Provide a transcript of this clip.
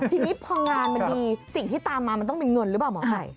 ทีนี้พองานมันดีสิ่งที่ตามมามันต้องมีเงินหรือเปล่าหมอไก่